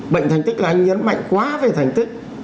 bệnh thành tích là anh nhấn mạnh quá về thành tích